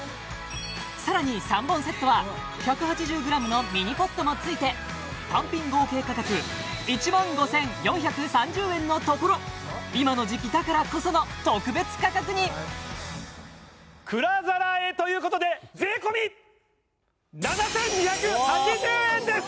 さらに３本セットは１８０ｇのミニポットもついて単品合計価格１万５４３０円のところ今の時期だからこその特別価格に蔵ざらえということで税込７２８０円です！